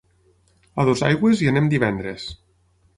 A Dosaigües hi anem divendres.